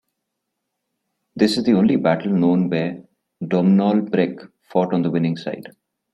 This is the only battle known where Domnall Brecc fought on the winning side.